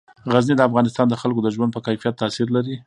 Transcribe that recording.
غزني د افغانستان د خلکو د ژوند په کیفیت تاثیر لري.